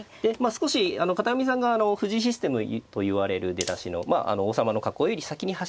少し片上さんが藤井システムといわれる出だしのまあ王様の囲いより先に端歩をね